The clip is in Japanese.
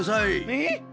えっ？